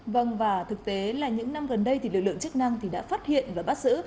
vâng và thực tế là những năm gần đây thì lực lượng chức năng thì đã phát hiện và bắt giữ